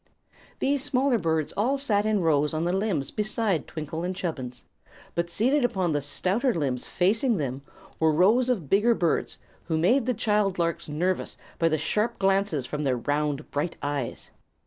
These smaller birds all sat in rows on the limbs beside Twinkle and Chubbins; but seated upon the stouter limbs facing them were rows of bigger birds who made the child larks nervous by the sharp glances from their round, bright eyes.